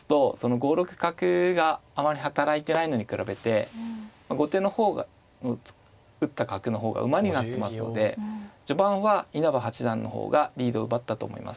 ５六角があまり働いてないのに比べて後手の方が打った角の方が馬になってますので序盤は稲葉八段の方がリードを奪ったと思います。